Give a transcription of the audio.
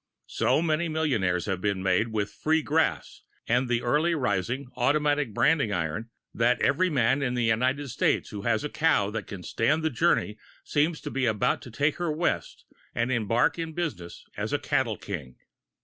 So many millionaires have been made with "free grass" and the early rising, automatic branding iron that every man in the United States who has a cow that can stand the journey seems to be about to take her west and embark in business as a cattle king.